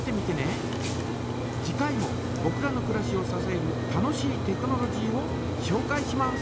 次回もぼくらのくらしをささえる楽しいテクノロジーをしょうかいします。